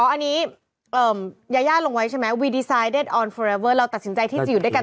อันนี้เอิ่มยายาลงไว้ใช่ไหมเราตัดสินใจที่จะอยู่ได้กัน